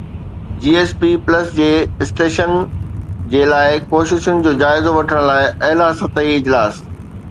جي S P plus جي status جي لاءِ ڪوششن جو جائزو وٺڻ لاءِ اعليٰ سطحي اجلاس